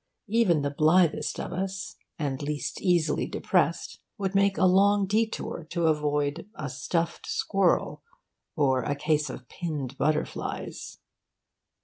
Even the blithest of us and least easily depressed would make a long detour to avoid a stuffed squirrel or a case of pinned butterflies.